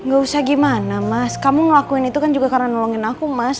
gak usah gimana mas kamu ngelakuin itu kan juga karena nolongin aku mas